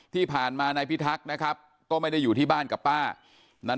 ที่ผ่านมานายพิทักษ์นะครับก็ไม่ได้อยู่ที่บ้านกับป้านั้น